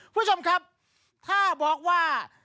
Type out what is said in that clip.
คุณผู้ชมครับถ้าบอกว่า